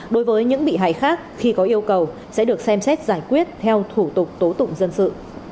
đối với những bị hại khác khi có yêu cầu sẽ được xem xét giải quyết theo thủ tục tố tụng dân sự